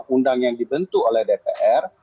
undang yang dibentuk oleh dpr